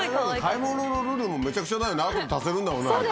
買い物のルールもめちゃくちゃだよね後で足せるんだもんああ